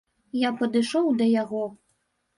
Я падышоў да яго.